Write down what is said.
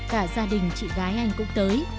cả gia đình chị gái anh cũng tới